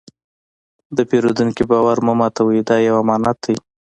د پیرودونکي باور مه ماتوئ، دا یو امانت دی.